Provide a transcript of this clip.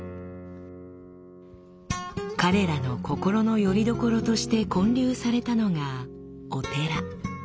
彼らの心のよりどころとして建立されたのがお寺。